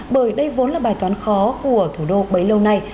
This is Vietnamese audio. bởi đây vốn là bài toán khó của thủ đô bấy lâu nay